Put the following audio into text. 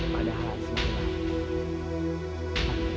kamu harus tabah